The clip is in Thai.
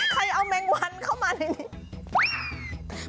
ใครเอาแมงวันเข้ามาใน